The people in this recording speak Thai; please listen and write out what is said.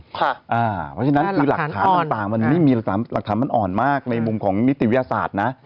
เพราะฉะนั้นคือหลักฐานต่างมันไม่มีหลักฐานมันอ่อนมากในมุมของนิติวิทยาศาสตร์นะ